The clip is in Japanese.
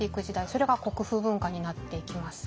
それが国風文化になっていきます。